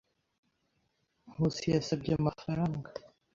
Nkusi yasabye amafaranga.